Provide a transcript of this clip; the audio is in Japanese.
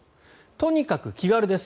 とにかく気軽です。